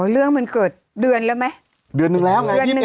อ๋อเรื่องมันเกิดเดือนแล้วไหมเดือนหนึ่งแล้วไงยี่สิบเอ็ดกุมภา